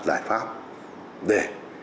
giải pháp để